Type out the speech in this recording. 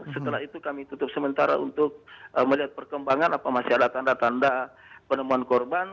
setelah itu kami tutup sementara untuk melihat perkembangan apa masih ada tanda tanda penemuan korban